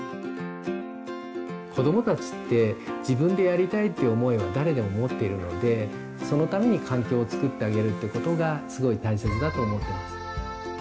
子どもたちって「自分で」やりたいっていう思いは誰でも持っているのでそのために環境を作ってあげるってことがすごい大切だと思ってます。